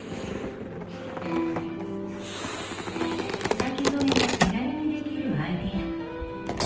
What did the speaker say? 草木染めが手軽にできるアイデア。